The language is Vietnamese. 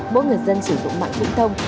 mỗi người dân sử dụng mạng thông thông